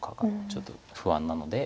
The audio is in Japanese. ちょっと不安なので。